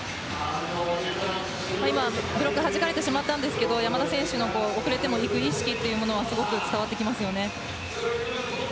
ブロックはじかれてしまったんですが山田選手、遅れてもいく意識はすごく伝わってきますよね。